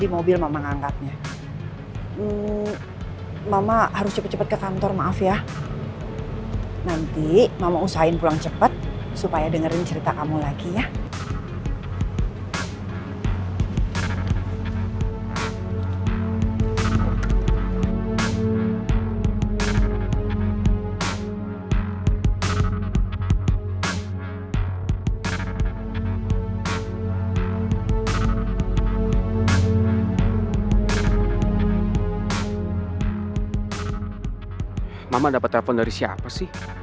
mama dapat telepon dari siapa sih